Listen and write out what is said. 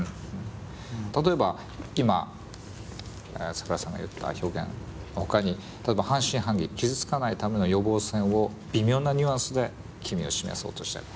例えば今桜井さんが言った表現ほかに例えば「『半信半疑＝傷つかない為の予防線』を微妙なニュアンスで君は示そうとしている」。